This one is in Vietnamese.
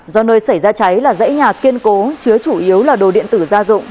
do nơi xảy ra cháy là dãy nhà kiên cố chứa chủ yếu là đồ điện tử ra rộng